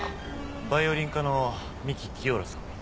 バイオリン科の三木清良さん。